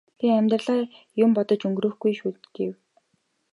би амьдралаа юм бодож өнгөрөөхгүй шүү гэв.